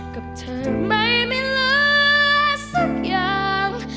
กับเธอไหมไม่เหลือสักอย่าง